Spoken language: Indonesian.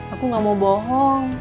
aku enggak mau bohong